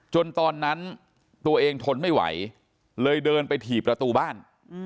ตอนนั้นตัวเองทนไม่ไหวเลยเดินไปถี่ประตูบ้าน